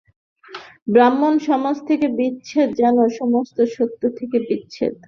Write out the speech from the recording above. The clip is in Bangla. ব্রাহ্মসমাজ থেকে বিচ্ছেদ যেন সমস্ত সত্য থেকে বিচ্ছেদ।